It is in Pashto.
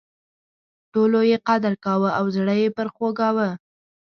ټولو یې قدر کاوه او زړه یې پر خوږاوه.